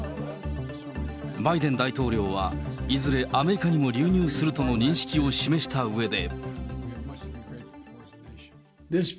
バイデン大統領は、いずれアメリカにも流入するとの認識を示したうえで。